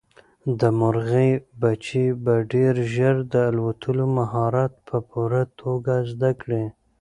د مرغۍ بچي به ډېر ژر د الوتلو مهارت په پوره توګه زده کړي.